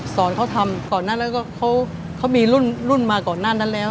สอนเขาทำก่อนหน้าแล้วก็เขามีรุ่นรุ่นมาก่อนหน้านั้นแล้ว